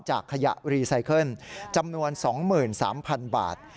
ขยะรีไซเคิลจำนวน๒๓๐๐๐บาท